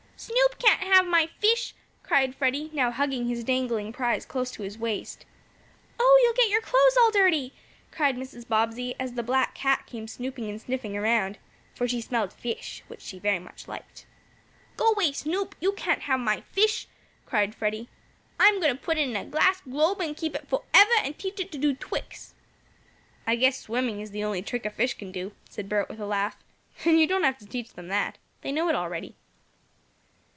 "Snoop can't have my fish!" cried Freddie, now hugging his dangling prize close to his waist. "Oh, you'll get your clothes all dirty!" cried Mrs. Bobbsey, as the black cat came snooping and sniffing around, for she smelled fish, which she very much liked. "Go 'way, Snoop! You can't have my fish!" cried Freddie. "I'm going to put it in a glass globe, and keep it forever and teach it to do tricks." "I guess swimming is the only trick a fish can do," said Bert, with a laugh, "and you don't have to teach them that. They know it already."